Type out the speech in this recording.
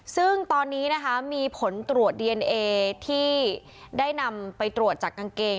ซึ่งตอนนี้นะคะมีผลตรวจดีเอนเอที่ได้นำไปตรวจจากกางเกง